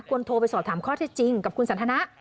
โทรไปสอบถามข้อเท็จจริงกับคุณสันทนะ